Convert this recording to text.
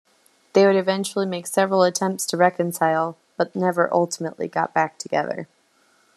They would eventually make several attempts to reconcile, but never ultimately got back together.